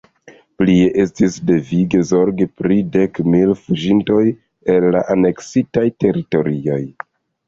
Plie estis devige zorgi pri dek mil fuĝintoj el la aneksitaj teritorioj.